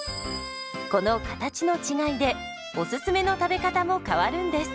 この形の違いでおすすめの食べ方も変わるんです。